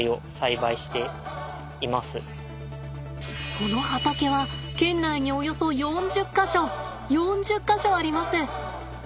その畑は県内におよそ４０か所４０か所あります。